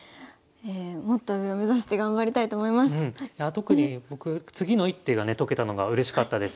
特に僕次の一手がね解けたのがうれしかったです。